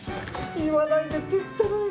言わないでって言ったのに。